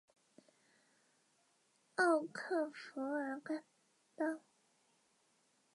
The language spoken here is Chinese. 奥克弗尔当。